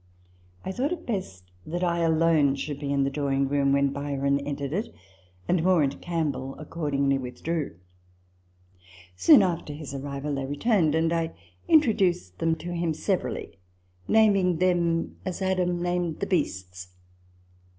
I thought it best that I alone should be in the drawing room when Byron entered it ; and Moore and Campbell accordingly withdrew. Soon after his arrival, they returned ; and I introduced them to him severally, naming them as Adam named the beasts.